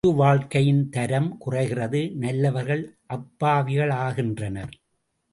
பொது வாழ்க்கையின் தரம் குறைகிறது, நல்லவர்கள் அப்பாவிகளாகின்றனர்.